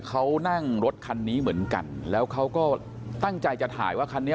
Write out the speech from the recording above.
เขานั่งรถคันนี้เหมือนกันแล้วเขาก็ตั้งใจจะถ่ายว่าคันนี้